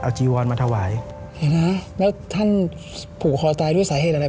จีวอนมาถวายเห็นไหมแล้วท่านผูกคอตายด้วยสาเหตุอะไร